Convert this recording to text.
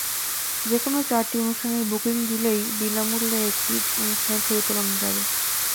যেকোনো চারটি অনুষ্ঠানের বুকিং দিলেই বিনা মূল্যে একটি অনুষ্ঠানের ছবি তোলানো যাবে।